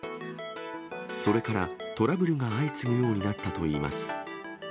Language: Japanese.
それから、トラブルが相次ぐようになったといいます。